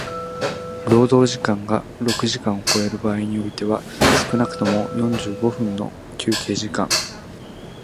労働時間が六時間を超える場合においては少くとも四十五分の休憩時間